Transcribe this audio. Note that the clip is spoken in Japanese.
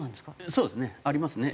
そうですね。ありますね。